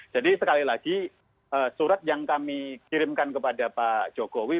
jadi sekali lagi surat yang kami kirimkan kepada pak jokowi